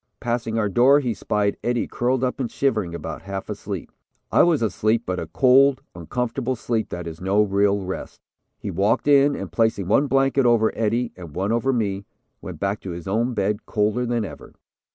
Passing our door, he spied Eddie curled up and shivering, about half asleep. I was asleep, but a cold, uncomfortable sleep that is no real rest. He walked in, and placing one blanket over Eddie and one over me, went back to his own bed colder than ever.